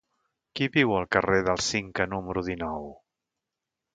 Qui viu al carrer del Cinca número dinou?